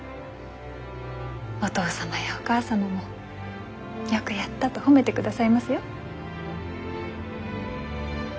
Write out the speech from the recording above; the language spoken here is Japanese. お義父様やお義母様も「よくやった」と褒めてくださいますよ。